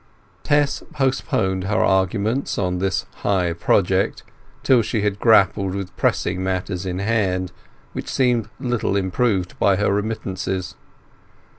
Tess postponed her arguments on this high project till she had grappled with pressing matters in hand, which seemed little improved by her remittances.